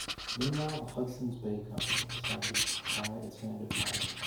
Meanwhile, the Hudson's Bay Company decided to try its hand at farming.